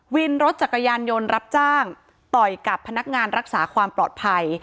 วินรถจักรยานยนต์รับจ้างต่อยกับพนักงานรักษาความปลอดภัย